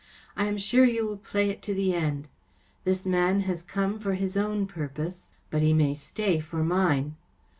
I am sure you will play it to the eftd. This man has come for his own purpose, but he may stay for mine.